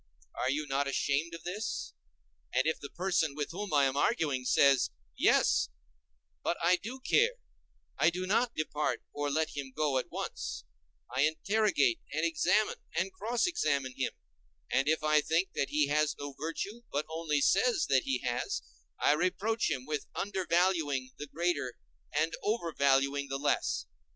Are you not ashamed of this? And if the person with whom I am arguing says: Yes, but I do care; I do not depart or let him go at once; I interrogate and examine and cross examine him, and if I think that he has no virtue, but only says that he has, I reproach him with undervaluing the greater, and overvaluing the less.